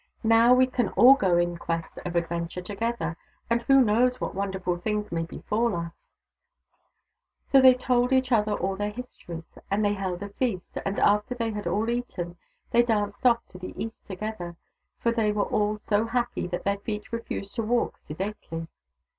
" Now we can all go in quest of adventure together, and who knows what wonderful things may befall us !" So they told each other all their histories, and they held a feast ; and after they had all eaten, they danced off to the east together, for they were all so happy that their feet refused to walk sedately.